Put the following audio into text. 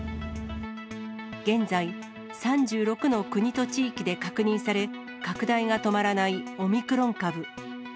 現在、３６の国と地域で確認され、拡大が止まらないオミクロン株。